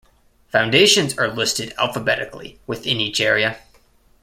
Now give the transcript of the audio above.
Foundations are listed alphabetically within each area.